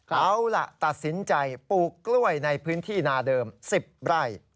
เอาล่ะตัดสินใจปลูกกล้วยในพื้นที่นาเดิม๑๐ไร่